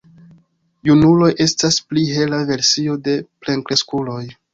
Junuloj estas pli hela versio de plenkreskuloj.